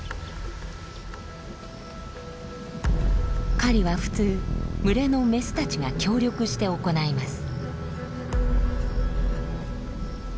狩りは普通群れのメスたちが協力して行います。